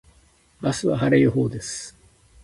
明日は晴れ予報です。